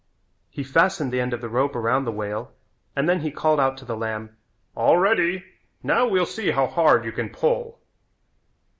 He fastened the end of the rope around the whale and then he called out to the lamb: "All ready. Now we'll see how hard you can pull."